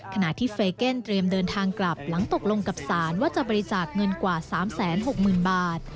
ขณะที่เฟเก้นเตรียมเดินทางกลับหลังตกลงกับศาลว่าจะบริจาคเงินกว่า๓๖๐๐๐บาท